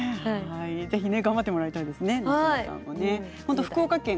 ぜひ頑張ってもらいたいですね。